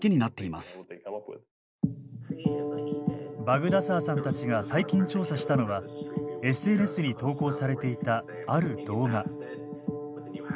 バグダサーさんたちが最近調査したのはＳＮＳに投稿されていたある動画。